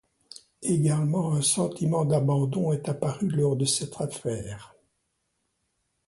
Également, un sentiment d'abandon est apparu lors de cette affaire.